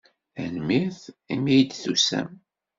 Tanemmirt imi ay d-tusam.